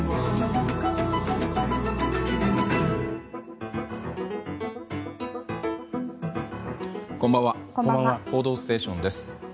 「報道ステーション」です。